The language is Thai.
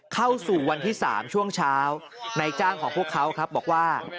เข้าสู่วันที่๓ช่วงเช้าในจ้างของพวกเขาครับบอกว่า